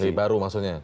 jadi baru maksudnya